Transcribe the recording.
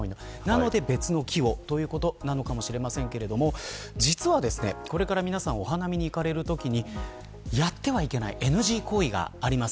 なので別の木をということなのかもしれませんが実はこれから皆さんお花見に行かれるときにやってはいけないＮＧ行為があります。